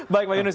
baik pak yunus